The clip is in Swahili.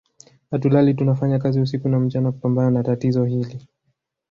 Hatulali tunafanya kazi usiku na mchana kupambana na tatizo hili